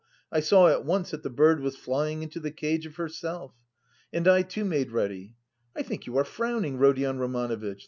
I saw at once that the bird was flying into the cage of herself. And I too made ready. I think you are frowning, Rodion Romanovitch?